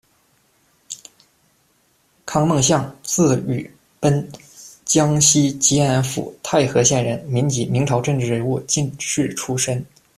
康梦相，字予赉，江西吉安府泰和县人，民籍，明朝政治人物、进士出身。